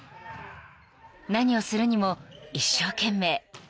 ［何をするにも一生懸命］